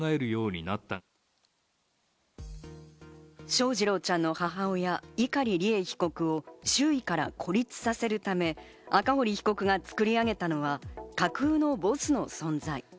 翔士郎ちゃんの母親・碇利恵被告を、周囲から孤立させるため、赤堀被告が作り上げたのは、架空のボスの存在。